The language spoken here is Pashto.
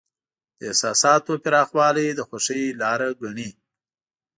د احساساتو پراخوالی د خوښۍ لاره ګڼي.